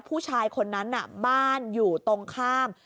ผู้ชายคนนั้นบ้านอยู่ตรงข้าม